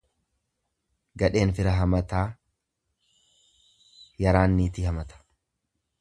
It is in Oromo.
Gadheen fira hamataa yaraan niitii hamata.